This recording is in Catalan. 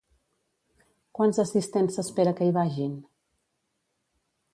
Quants assistents s'espera que hi vagin?